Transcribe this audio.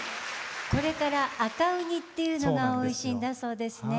これから赤ウニっていうのがおいしいんだそうですね。